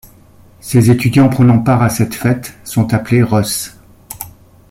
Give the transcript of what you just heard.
Ces étudiants prenant part à cette fête sont appelés russ.